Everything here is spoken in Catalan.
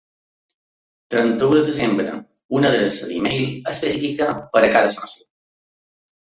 Trenta-u de desembre, una adreça d'e-mail específica per a cada soci.